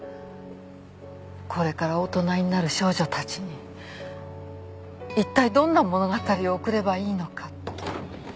これから大人になる少女たちに一体どんな物語を贈ればいいのか。